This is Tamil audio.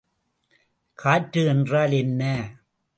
காற்று என்றால் என்ன?